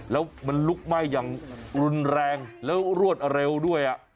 แล้วมันลุกไหม้อย่างรุนแรงแล้วรวดเร็วด้วย